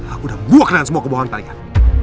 aku dan gue kenal semua kebohongan kalian